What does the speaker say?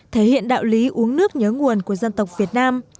thể hiện đạo lý uống nước nhớ nguồn của dân tộc việt nam